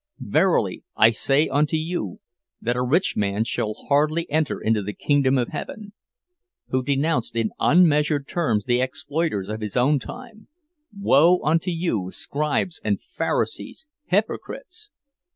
'—'Verily, I say unto you, that a rich man shall hardly enter into the kingdom of Heaven!' Who denounced in unmeasured terms the exploiters of his own time: 'Woe unto you, scribes and pharisees, hypocrites!